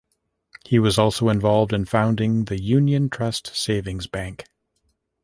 He was also involved in founding the Union Trust Savings Bank.